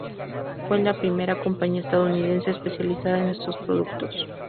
Fue la primera compañía estadounidense especializada en estos productos.